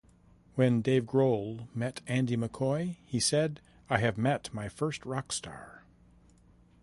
When Dave Grohl met Andy McCoy he said I have met my first Rockstar.